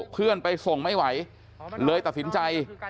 เพื่อนไปส่งไม่ไหวเลยตัดสินใจ